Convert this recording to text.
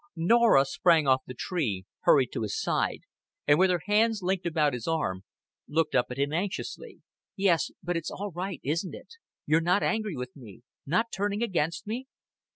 Norah sprang off the tree, hurried to his side, and, with her hands linked about his arm, looked up at him anxiously. "Yes, but it's all right, isn't it? You're not angry with me not turning against me?"